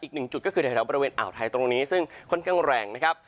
อีกหนึ่งจุดก็คือแถวบริเวณอ่าวไทยตรงนี้ซึ่งค่อนข้างแรงนะครับ